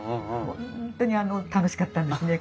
本当に楽しかったんですね。